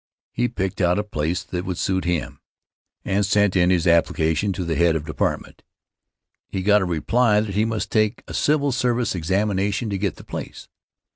He picked out a place that would suit him, and sent in his application to the head of department. He got a reply that he must take a civil service examination to get the place.